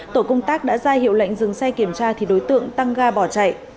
tổ công tác đã ra hiệu lệnh dừng xe kiểm tra thì đối tượng tăng ga bỏ chạy